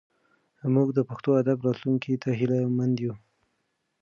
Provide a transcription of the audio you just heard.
موږ د پښتو ادب راتلونکي ته هیله مند یو.